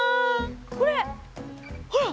これほら。